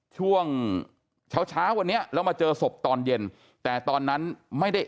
ช่วงเช้าเช้าวันนี้แล้วมาเจอศพตอนเย็นแต่ตอนนั้นไม่ได้